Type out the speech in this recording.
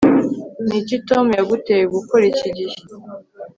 niki tom yaguteye gukora iki gihe